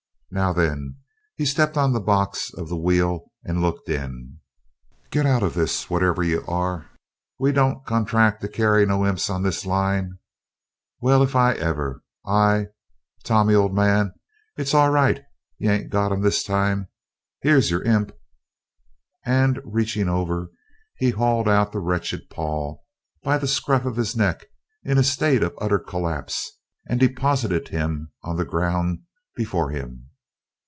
Now then," here he stepped on the box of the wheel and looked in. "Shin out of this, whatever y'are, we don't contrack to carry no imps on this line Well, if ever I Tommy, old man, it's all right, y'ain't got 'em this time 'ere's yer imp!" And, reaching over, he hauled out the wretched Paul by the scruff of his neck in a state of utter collapse, and deposited him on the ground before him.